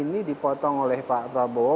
ini dipotong oleh pak prabowo